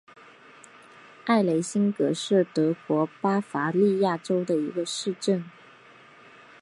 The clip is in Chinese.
埃雷辛格是德国巴伐利亚州的一个市镇。